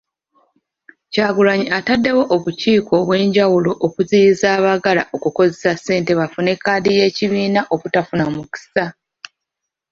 Kyagulanyi ataddewo obukiiko obwenjawulo okuziyiza abaagala okukozesa ssente bafune kkaadi y'ekibiina obutafuna mukisa.